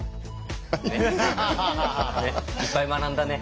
いっぱい学んだね。